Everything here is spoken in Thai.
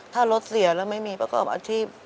ถ้ารถเสียแล้วไม่มีประกอบอาชีพ